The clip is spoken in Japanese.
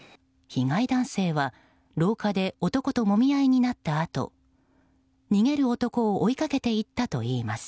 被害男性は廊下で男ともみ合いになったあと逃げる男を追いかけていったといいます。